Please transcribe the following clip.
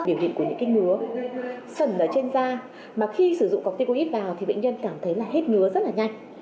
biểu hiện của những cái ngứa sẩn ở trên da mà khi sử dụng corticlis vào thì bệnh nhân cảm thấy là hết ngứa rất là nhanh